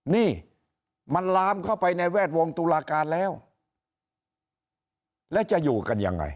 นี่มันลามเข้าไปในแวดวงตุลาการแล้วแล้วจะอยู่กันยังไง